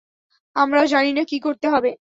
আমরাও জানি না কী করতে হবে।